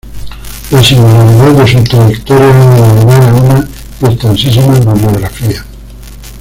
La singularidad de su trayectoria ha dado lugar a una extensísima bibliografía.